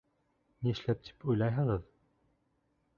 — Нишләп тип уйлайһығыҙ?